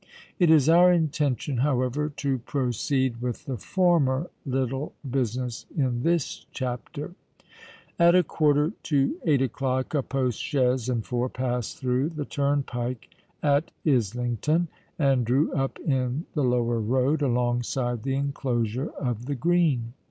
It is our intention, however, to proceed with the former little business in this chapter. At a quarter to eight o'clock a post chaise and four passed through the turnpike at Islington, and drew up in the lower road, alongside the enclosure of the Green.